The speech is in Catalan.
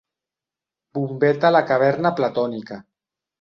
Bombeta a la caverna platònica.